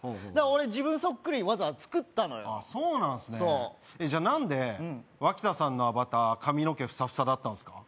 俺自分そっくりにわざわざ作ったのよあっそうなんすねじゃあ何で脇田さんのアバター髪の毛フサフサだったんすか？